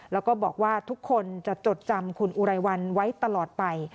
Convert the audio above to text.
แล้วก็บอกว่าทุกคนจะจดจำคุณอุไรวันไว้ตลอดไป